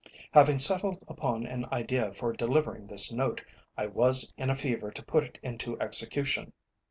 Having settled upon an idea for delivering this note, I was in a fever to put it into execution.